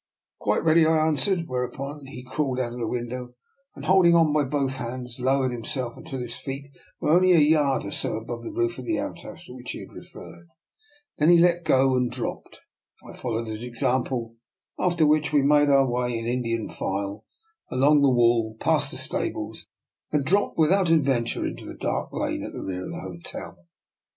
"" Quite ready," I answered; whereupon he crawled out of the window, and, holding on by both hands, lowered himself until his feet were only a yard or so above the roof of the outhouse to which he had referred. Then he let go and dropped. I followed his exam ple, after which we made our way in Indian file along the wall, passed the stables, and dropped without adventure into the dark lane at the rear of the hotel.